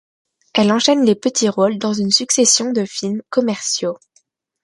Elle enchaîne les petits rôles dans une succession de films commerciaux.